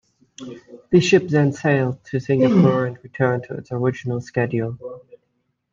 The ship then sailed to Singapore and returned to its original schedule.